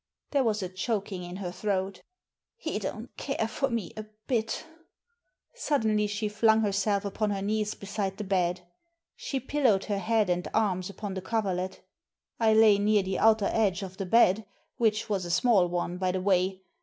There was a ckoking in her throat "He don't care for me a bit" Suddenly she flung herself upon her knees beside the bed She pillowed her head and arms upon the coverlet I lay near the outer edge of the bed, which was a small one, by the way.